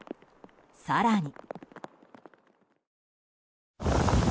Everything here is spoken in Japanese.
更に。